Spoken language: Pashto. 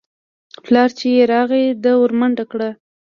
پلار چې يې راغى ده ورمنډه کړه.